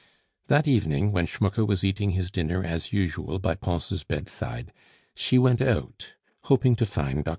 That evening, when Schmucke was eating his dinner as usual by Pons' bedside, she went out, hoping to find Dr. Poulain at home.